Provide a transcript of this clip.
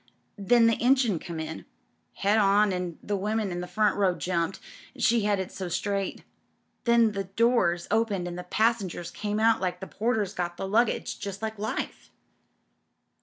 Then the engine come in, head on, an' the women in the front row jumped: she headed so straight. Then the doors opened and the passengers came out and the porters got the luggage — ^just like life.